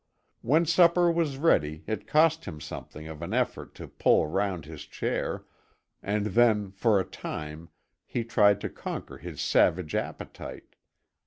When supper was ready it cost him something of an effort to pull around his chair, and then for a time he tried to conquer his savage appetite.